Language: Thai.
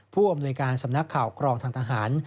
ผู้อำนวยการสำนักข่าวกรองทางทหาร